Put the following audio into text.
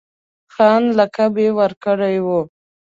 خان لقب یې ورکړی وو.